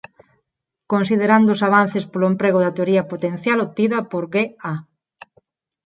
Considerando os avances polo emprego da teoría potencial obtida por G. A.